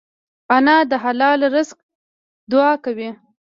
انا د حلال رزق دعا کوي